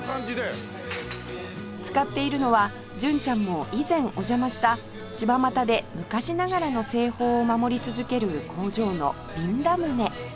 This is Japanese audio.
使っているのは純ちゃんも以前お邪魔した柴又で昔ながらの製法を守り続ける工場の瓶ラムネ